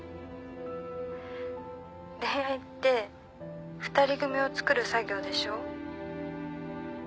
恋愛って２人組をつくる作業でしょ？